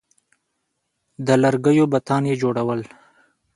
د لرګیو بتان یې جوړول